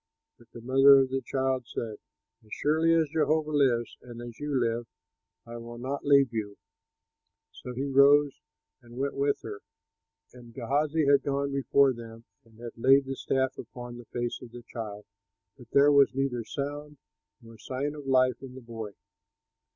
But the mother of the child said, "As surely as Jehovah lives and as you live, I will not leave you." So he rose and went with her. And Gehazi had gone on before them and had laid the staff upon the face of the child, but there was neither sound nor sign of life in the boy.